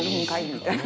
みたいな。